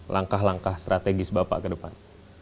langkah langkah strategis bapak kedepan